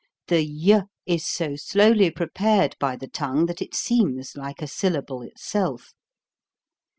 The y is so slowly prepared by the tongue that it seems like a syllable itself.